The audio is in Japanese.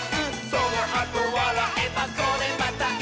「そのあとわらえばこれまたイス！」